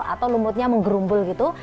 atau lumutnya menggerumbul gitu